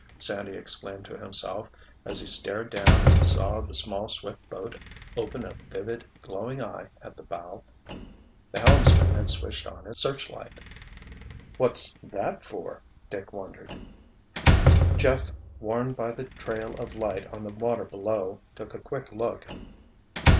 Sandy exclaimed to himself, as he stared down and saw the small, swift boat open a vivid, glowing eye at the bow. The helmsman had switched on its searchlight. "What's that for?" Dick wondered. Jeff, warned by the trail of light on the water below, took a quick look.